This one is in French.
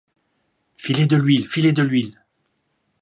filez de l’huile ! filez de l’huile !